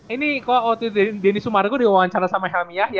ini waktu itu denny sumargo diwawancara sama helmiah